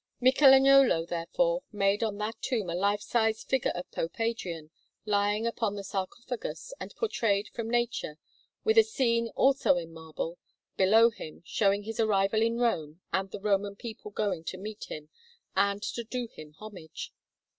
Michelagnolo, therefore, made on that tomb a lifesize figure of Pope Adrian, lying upon the sarcophagus and portrayed from nature, with a scene, also in marble, below him, showing his arrival in Rome and the Roman people going to meet him and to do him homage.